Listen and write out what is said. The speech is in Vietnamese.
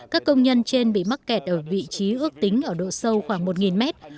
các công nhân trên bị mắc kẹt ở vị trí ước tính ở độ sâu khoảng một mét